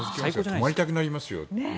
泊まりたくなりますよ。